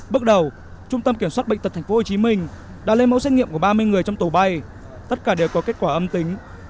bước đầu trung tâm kiểm soát bệnh tật tp hcm đã lấy mẫu xét nghiệm của ba mươi người trong tổ bay tất cả đều có kết quả âm tính